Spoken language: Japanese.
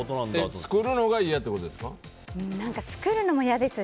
作るのが嫌ってことですか？